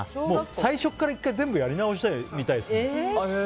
最初から１回全部やり直してみたいです。